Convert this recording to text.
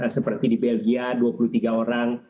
seperti di belgia dua puluh tiga orang